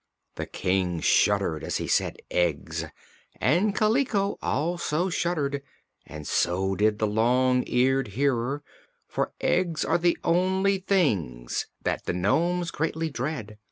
The King shuddered as he said "eggs," and Kaliko also shuddered, and so did the Long Eared Hearer; for eggs are the only things that the nomes greatly dread.